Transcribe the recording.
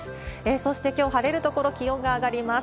そしてきょう、晴れる所、気温が上がります。